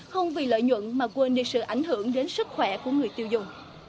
không vì lợi nhuận mà quên đi sự ảnh hưởng đến sức khỏe của người tiêu dùng